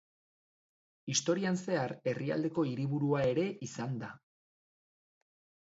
Historian zehar, herrialdeko hiriburua ere izan da.